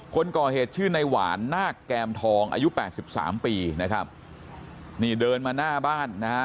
คนก่อเหตุชื่อในหวานนาคแกรมทองอายุแปดสิบสามปีนะครับนี่เดินมาหน้าบ้านนะฮะ